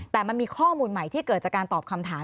แต่มันมีข้อมูลใหม่ที่เกิดจากการตอบคำถาม